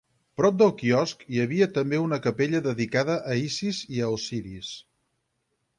Prop del quiosc, hi havia també una capella dedicada a Isis i a Osiris.